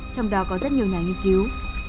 trong đó có rất nhiều nhà nghiên cứu